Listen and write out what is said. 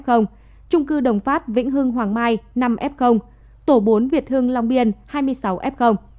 trung cư đồng pháp vĩnh hương hoàng mai năm f tổ bốn việt hương long biên hai mươi sáu f